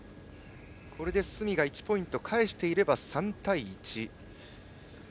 これで角が１ポイント返していれば３対１。